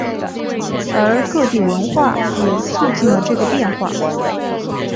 而各地文化也促进了这个变化。